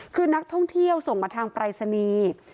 คือนักท่องเที่ยวส่งมาทางปรายศนีย์